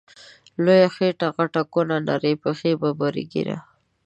لویه خیټه غټه کونه، نرۍ پښی ببره ږیره